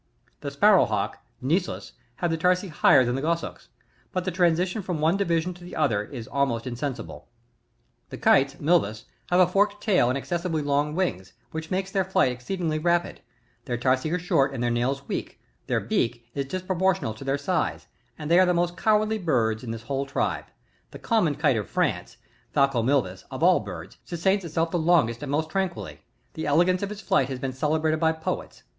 5 J . The Sparrow Hawks, — Sisvs, — have the tarsi higher than the Goshawks ; but the transitions from one division to the other are almost insensible. 52. The KrrES, — Milvvst — have a forked tail and excessively long wings, which makes their flight exceedingly rapid ; their tarsi are short and their nails weak ; their beak (^Plute B^jig* 8.) is dispropartioned to their size, and they are the most cowardly birds of this whole tribe. The cunmon kite of France, — Falco milvvs^ — of all birds, sustains itself the longest and most tran quilly ; the elegance of its flight has been celebrated by poet«.